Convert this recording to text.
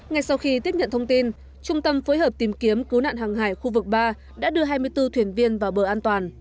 ngay sau khi tiếp nhận thông tin trung tâm phối hợp tìm kiếm cứu nạn hàng hải khu vực ba đã đưa hai mươi bốn thuyền viên vào bờ an toàn